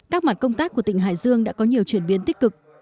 các mặt công tác của tỉnh hải dương đã có nhiều chuyển biến tích cực